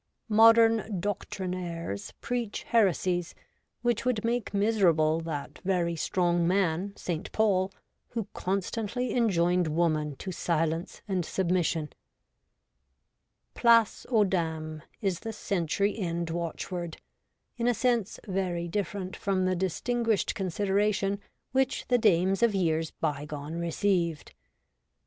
Modern doctrinaires preach heresies which would make miserable that very strong man, St. Paul, who constantly enjoined woman to silence and submission. Place aux dames is the century end watchword, in a sense very different from the distinguished consideration which the dames of years bygone received.